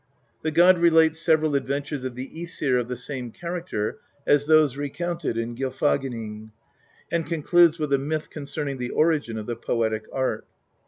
The god relates several adventures of the ^sir of the same character as those recounted in Gylfaginning^ and concludes with a myth concerning the origin of the poetic art.